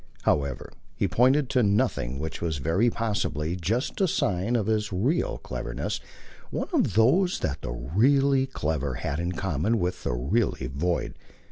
However, he pointed to nothing; which was very possibly just a sign of his real cleverness, one of those that the really clever had in common with the really void.